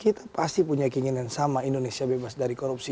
kita pasti punya keinginan sama indonesia bebas dari korupsi